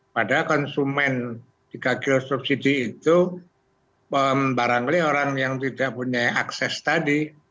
padahal konsumen tiga kg subsidi itu barangkali orang yang tidak punya akses tadi